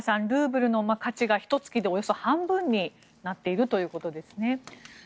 ルーブルの価値がひと月でおよそ半分になっているということですね。